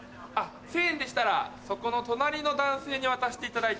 千円でしたらそこの隣の男性に渡していただいて。